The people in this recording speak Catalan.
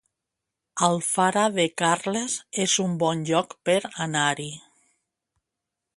Alfara de Carles es un bon lloc per anar-hi